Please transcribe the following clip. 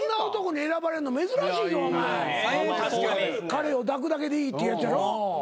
彼を抱くだけでいいってやつやろ？